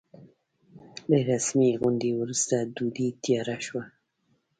له رسمي غونډې وروسته ډوډۍ تياره شوه.